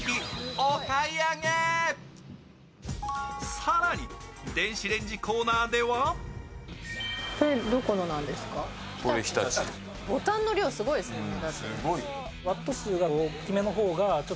更に電子レンジコーナーではボタンの量すごいですね。